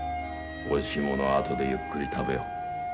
おいしい物は後でゆっくり食べよう。